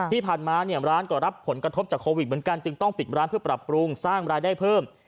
ที่ผ่านมาเนี่ยร้านก็รับผลกระทบจากโควิดเหมือนกันจึงต้องปิดร้านเพื่อปรับปรุงสร้างรายได้เพิ่ม